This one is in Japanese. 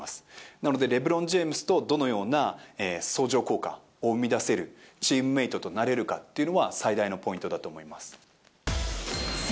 なのでレブロン・ジェームズとどのような相乗効果を生み出せるチームメートと鳴れるかっていうのは、最大のポイントだと思います。